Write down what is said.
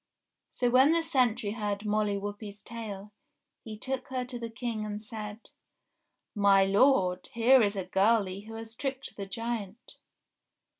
So when the sentry heard Molly Whuppie's tale, he took her to the King and said : "My lord ! Here is a girlie who has tricked the giant